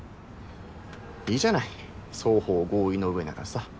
いいじゃない双方合意の上ならさ。